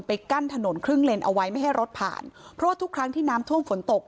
กั้นถนนครึ่งเลนเอาไว้ไม่ให้รถผ่านเพราะว่าทุกครั้งที่น้ำท่วมฝนตก